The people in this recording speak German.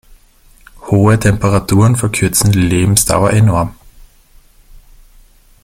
Hohe Temperaturen verkürzen die Lebensdauer enorm.